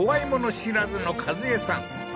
知らずの一江さん